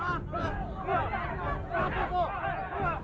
tidak tuhan tidak tuhan